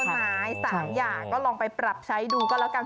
ไม้๓อย่างก็ลองไปปรับใช้ดูก็แล้วกัน